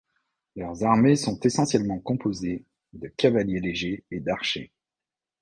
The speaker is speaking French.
Leurs armées sont essentiellement composées de cavaliers légers et d'archers.